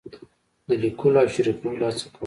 د لیکلو او شریکولو هڅه کوم.